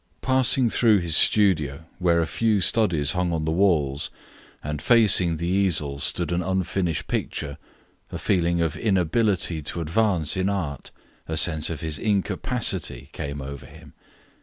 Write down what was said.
Passing through his studio, where a few studies hung on the walls and, facing the easel, stood an unfinished picture, a feeling of inability to advance in art, a sense of his incapacity, came over him.